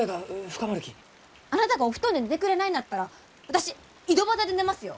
あなたがお布団で寝てくれないんだったら私井戸端で寝ますよ！